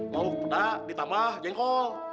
lauk peda ditambah jengkol